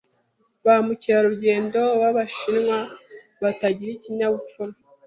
e Ba mukerarugendo b'Abashinwa batagira ikinyabupfura?